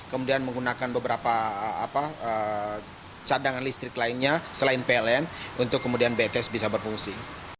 kemudian menggunakan beberapa cadangan listrik lainnya selain pln untuk kemudian bts bisa berfungsi